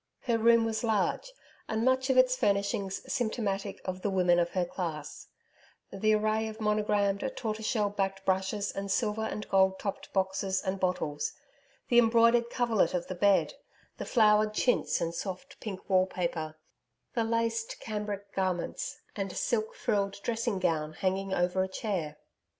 Her room was large, and much of its furnishings symptomatic of the woman of her class the array of monogrammed, tortoise shell backed brushes and silver and gold topped boxes and bottles, the embroidered coverlet of the bed, the flowered chintz and soft pink wall paper, the laced cambric garments and silk frilled dressing gown hanging over a chair.